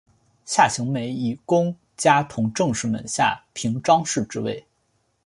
夏行美以功加同政事门下平章事之位。